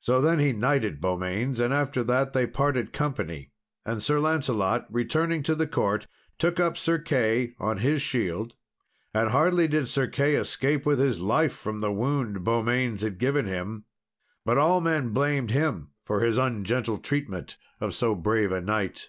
So then he knighted Beaumains, and, after that, they parted company, and Sir Lancelot, returning to the court, took up Sir Key on his shield. And hardly did Sir Key escape with his life, from the wound Beaumains had given him; but all men blamed him for his ungentle treatment of so brave a knight.